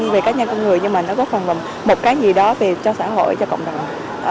về các nhân công người nhưng nó có phần một cái gì đó cho xã hội cho cộng đồng